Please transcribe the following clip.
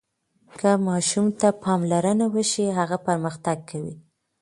که ماشوم ته پاملرنه وشي، هغه پرمختګ کوي.